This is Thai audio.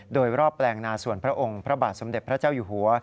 โดยรอบแปลงนาส่วนพระองค์พระบาทสมเด็จพระเจ้าอยู่หัว